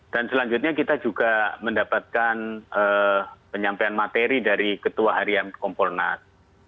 selanjutnya kita juga mendapatkan penyampaian materi dari ketua harian kompolnas